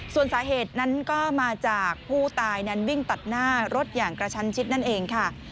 ส่วนสาเหตุนั้นก็มาจากผู้ตายนั้นวิ่งตัดหน้ารถอย่างกระชันชิดนั่นเองค่ะ